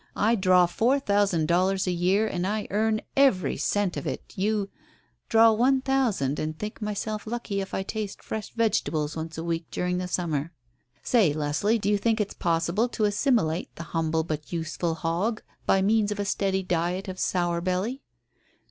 I draw four thousand dollars a year, and I earn every cent of it. You " "Draw one thousand, and think myself lucky if I taste fresh vegetables once a week during the summer. Say, Leslie, do you think it's possible to assimilate the humble but useful hog by means of a steady diet of 'sour belly'?"